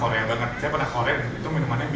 korea banget saya pernah korea itu minumannya